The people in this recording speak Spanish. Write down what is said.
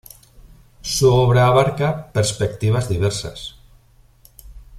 Su obra abarca perspectivas diversas.